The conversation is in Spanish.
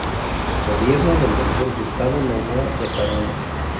Gobierno del Dr. Gustavo Noboa Bejarano.